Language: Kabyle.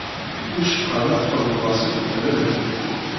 Wicqa ma txedmeḍ-as ifelfel aberkan.